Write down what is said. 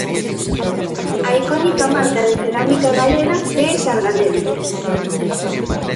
A icónica marca de cerámica galega de Sargadelos.